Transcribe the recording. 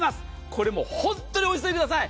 これも本当にお急ぎください。